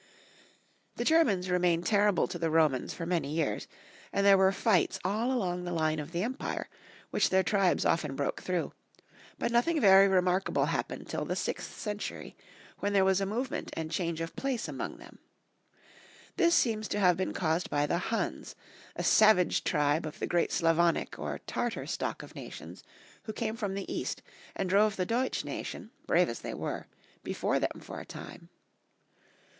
The Germans remained temble to the Romans for many years, and there were fights all along the line of the empire, which their tribes often broke through; but notliing very remarkable happened till the sixth century, when there was a movement and change of place among them. This seems to have been caused by the Huns, a savage tribe of the great Slavonic or Tartar stock of nations, who came from the East, and drove the Deutsch nation, brave as they were, before them for a time.